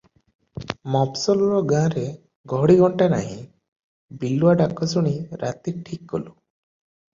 ମଫସଲର ଗାଁରେ ଘଡ଼ି ଘଣ୍ଟା ନାହିଁ, ବିଲୁଆ ଡାକ ଶୁଣି ରାତି ଠିକ୍ କଲୁଁ ।